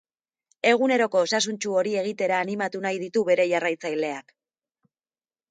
Eguneroko osasuntsu hori egitera animatu nahi ditu bere jarraitzaileak.